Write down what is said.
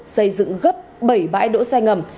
xây dựng gấp bảy bãi đỗ xe ngầm